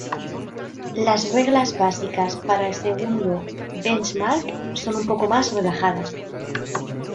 Las reglas básicas para el segundo benchmark son un poco más relajadas.